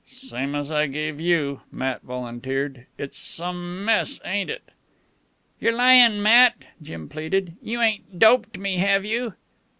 "Same as I gave you," Matt volunteered. "It's some mess, ain't it!" "You're lyin', Matt," Jim pleaded. "You ain't doped me, have you?"